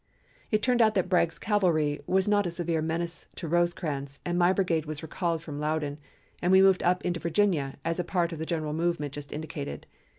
It turned out that Bragg's cavalry was not a severe menace to Rosecrans and my brigade was recalled from Loudon and we moved up into Virginia as a part of the general movement just indicated.